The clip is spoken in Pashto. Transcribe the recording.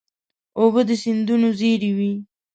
اوبه د سیندونو زېری وي.